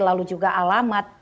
lalu juga alamat